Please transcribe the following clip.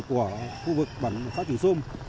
của khu vực xã triềng sông